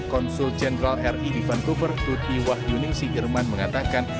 konsul jendral ri di vancouver tuti wahyuni si jerman mengatakan